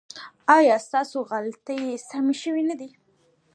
ایا ستاسو غلطۍ سمې شوې نه دي؟